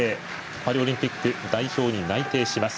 パリオリンピック代表に内定します。